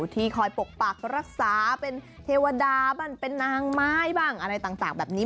ที่คอยปกปักรักษาเป็นเทวดาบ้างเป็นนางไม้บ้างอะไรต่างแบบนี้